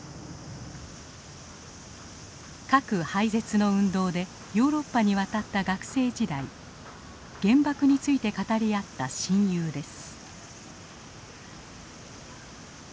核廃絶の運動でヨーロッパに渡った学生時代原爆について語り合った親友です。